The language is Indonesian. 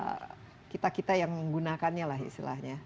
bagi para kita kita yang menggunakannya lah istilahnya